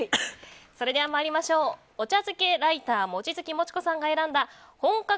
それでは参りましょうお茶漬けライターもちづきもちこさんが選んだ本格！